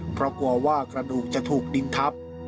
เพราะกลัวว่ากระดูกจะถูกดินทับ